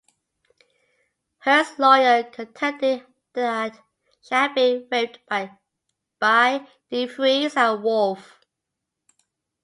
Hearst's lawyer contended that she had been raped by DeFreeze and Wolfe.